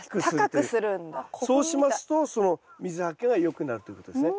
そうしますと水はけがよくなるということですね。